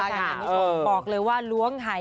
อยากจบอยากจบ